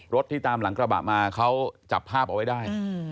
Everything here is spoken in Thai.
ที่ตามหลังกระบะมาเขาจับภาพเอาไว้ได้